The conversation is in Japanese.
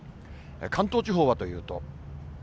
関東地方はというと。